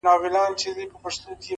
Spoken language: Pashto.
لوړ شخصیت له کوچنیو کارونو ښکاري،